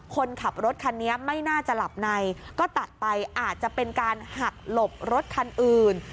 คนขับรถคันนี้ไม่น่าจะหลับในก็ตัดไปอาจจะเป็นการหักหลบรถคันอื่น